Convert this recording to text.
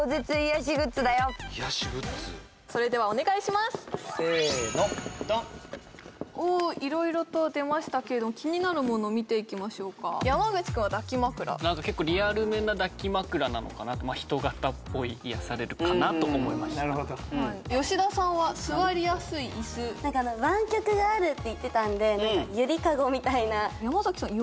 それではお願いしますせーのドンおいろいろと出ましたけれども気になるもの見ていきましょうか山口君は抱き枕何か結構リアルめな抱き枕なのかなとまあ人型っぽい癒やされるかなと思いました吉田さんはすわりやすいイス湾曲があるって言ってたんで何か揺りかごみたいな山崎さん